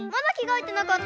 えっ？